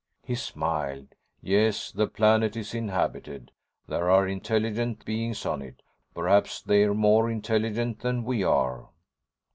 He smiled. "Yes, the planet is inhabited. There are intelligent beings on it. Perhaps they're more intelligent than we are."